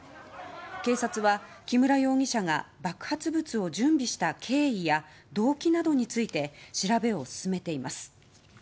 警察は木村容疑者が爆発物を準備した経緯や動機などについて調べを進めています。